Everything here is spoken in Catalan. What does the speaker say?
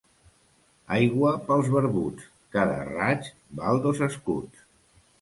Aigua pels Barbuts, cada raig val dos escuts.